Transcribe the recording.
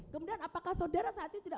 kemudian apakah saudara saat ini tidak